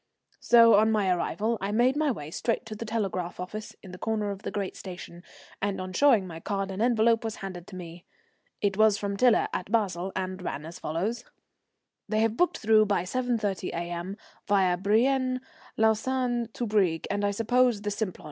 So on my arrival I made my way straight to the telegraph office in the corner of the great station, and on showing my card an envelope was handed to me. It was from Tiler at Basle, and ran as follows: "They have booked through by 7.30 A.M., via Brienne, Lausanne to Brieg, and I suppose the Simplon.